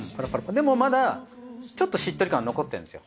でもまだちょっとしっとり感残ってるんですよ。